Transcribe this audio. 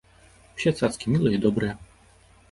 Усе цацкі мілыя і добрыя.